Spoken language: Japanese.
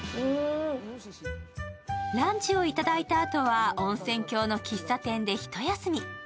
ランチをいただいたあとは温泉郷の喫茶店で一休み。